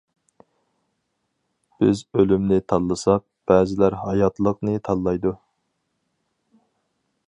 بىز ئۆلۈمنى تاللىساق، بەزىلەر ھاياتلىقنى تاللايدۇ.